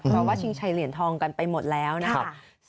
เพราะว่าชิงชัยเหรียญทองกันไปหมดแล้วนะครับ